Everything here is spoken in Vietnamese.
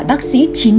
bác sĩ chín mươi một